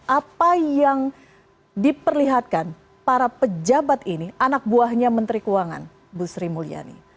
apa yang diperlihatkan para pejabat ini anak buahnya menteri keuangan bu sri mulyani